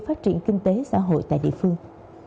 phát triển kinh tế xã hội tại địa phương